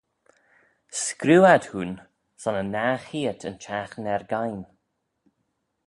Screeu ad hooin son y nah cheayrt yn çhiaghtin er-giyn.